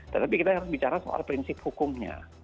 tetapi kita harus bicara soal prinsip hukumnya